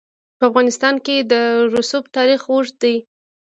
په افغانستان کې د رسوب تاریخ اوږد دی.